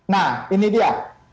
nah ini dia